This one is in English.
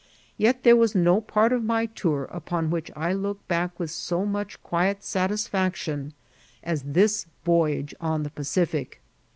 Yet there is no part of my tour iqpon which I look back with so much quiet satisfiaction as this voyage on the Pacific.